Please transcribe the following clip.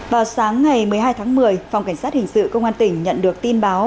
vào sáng ngày một mươi hai tháng một mươi phòng cảnh sát hình sự công an tỉnh nhận được tin báo